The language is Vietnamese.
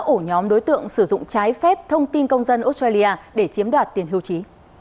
ổ nhóm đối tượng sử dụng trái phép thông tin công dân australia để chiếm đoạt tiền hưu trí